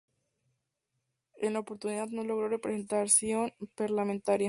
En la oportunidad no logró representación parlamentaria.